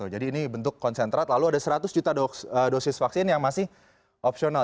jadi ini bentuk konsentrat lalu ada seratus juta dosis vaksin yang masih opsional